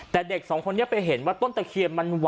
แต่เด็กสองคนนี้ไปเห็นว่าต้นตะเคียนมัน